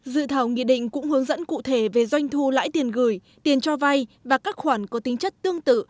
dự thảo nghị định cũng hướng dẫn cụ thể về doanh thu lãi tiền gửi tiền cho vay và các khoản có tính chất tương tự